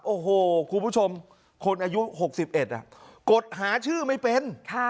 โอ้โหคุณผู้ชมคนอายุ๖๑กดหาชื่อไม่เป็น